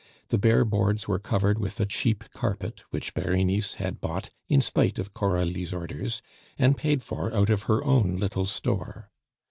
The bare boards were covered with a cheap carpet, which Berenice had bought in spite of Coralie's orders, and paid for out of her own little store.